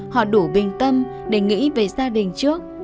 họ đủ bình tâm để nghĩ về gia đình trước